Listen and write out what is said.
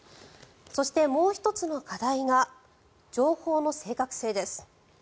そして、もう１つの課題が情報の正確性です。